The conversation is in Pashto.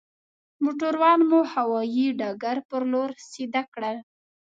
موټران مو هوايي ډګر پر لور سيده کړل.